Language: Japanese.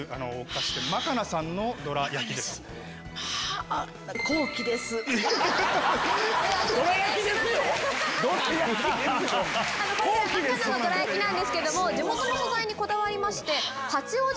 こちらまかなのどら焼きなんですけれども地元の素材にこだわりまして。